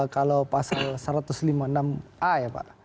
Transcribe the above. kalau pasal satu ratus lima puluh enam a ya pak